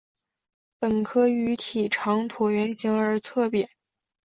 本科鱼体长椭圆形而侧扁。